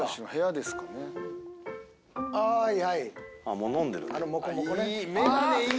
もう飲んでるんだ。